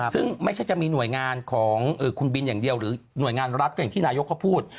ซึ่งไม่ใช่จะมีหน่วยงานของคุณบินอย่างเดียวหรือหน่วยงานรัฐก็อย่างที่นายกเขาพูด